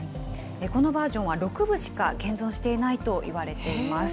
このバージョンは、６部しか現存していないといわれています。